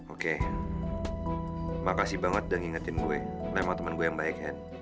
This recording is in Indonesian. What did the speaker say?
oke makasih banget udah ngingetin gue lo emang temen gue yang baik hen